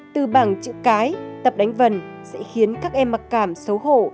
từ bảng chữ cái tập đánh vần sẽ khiến các em mặc cảm xấu hổ